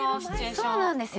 そうなんですよ。